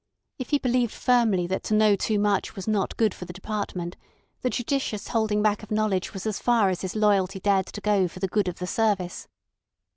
If he believed firmly that to know too much was not good for the department, the judicious holding back of knowledge was as far as his loyalty dared to go for the good of the service.